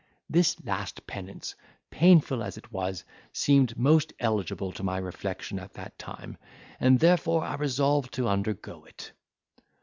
This last penance, painful as it was, seemed most eligible to my reflection at that time, and therefore I resolved to undergo it.